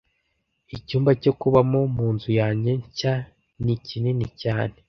Icyumba cyo kubamo munzu yanjye nshya ni kinini cyane.